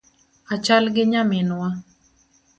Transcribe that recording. Achal gi nyaminwa